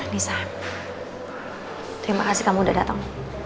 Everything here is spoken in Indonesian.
nisa terima kasih kamu udah datang